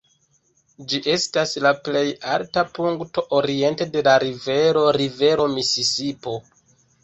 Ĝi estas la plej alta punkto oriente de la Rivero Rivero Misisipo.